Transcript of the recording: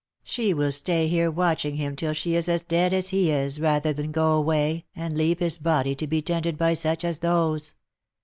She will stay here watching him till she is as dead as he is, rather than go away, and leave his body to be tended by such as those."